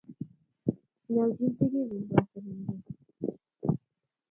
Inyaljin sigik chug ko kasenangei